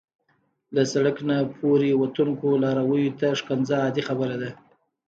له سړک نه پورې وتونکو لارویو ته کنځا عادي خبره ده.